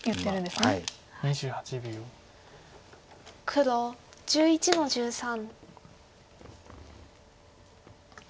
黒１１の十三。